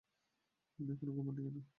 আপনি এখানো ঘুমাননি কেন?